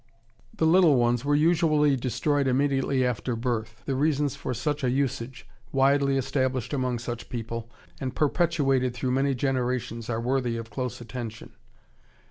The little ones were usually destroyed immediately after birth.... The reasons for such a usage, widely established among such people, and perpetuated through many generations, are worthy of close attention.